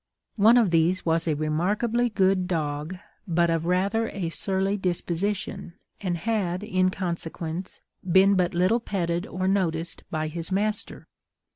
One of these was a remarkably good dog, but of rather a surly disposition, and had, in consequence, been but little petted or noticed by his master.